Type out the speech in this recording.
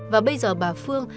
và bây giờ bà phương